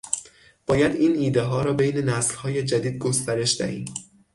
باید این ایدهها را بین نسلهای جدید گسترش دهیم